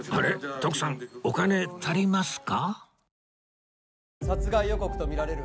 徳さんお金足りますか？